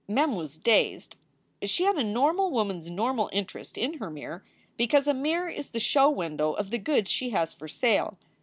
Mem was dazed. She had a normal woman s normal interest in her mirror because a mirror is the show window of the goods she has for sale.